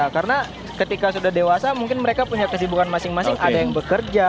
karena ketika sudah dewasa mungkin mereka punya kesibukan masing masing ada yang bekerja